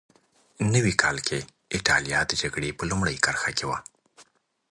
په نوي کال کې اېټالیا د جګړې په لومړۍ کرښه کې وه.